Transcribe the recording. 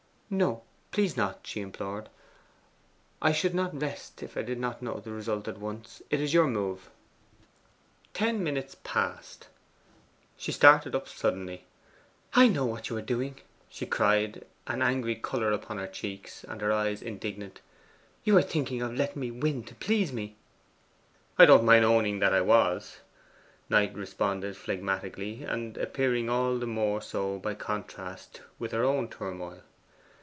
'No, please not,' she implored. 'I should not rest if I did not know the result at once. It is your move.' Ten minutes passed. She started up suddenly. 'I know what you are doing?' she cried, an angry colour upon her cheeks, and her eyes indignant. 'You were thinking of letting me win to please me!' 'I don't mind owning that I was,' Knight responded phlegmatically, and appearing all the more so by contrast with her own turmoil.